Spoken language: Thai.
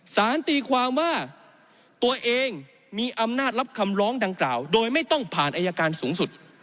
สารตีความว่าตัวเองมีอำนาจรับคำร้องดังกล่าวโดยไม่ต้องผ่านอายการสูงสุด